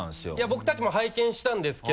僕たちも拝見したんですけど。